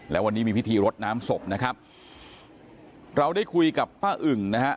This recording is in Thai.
แล้ววันนี้มีพิธีรดน้ำศพนะครับเราได้คุยกับป้าอึ่งนะฮะ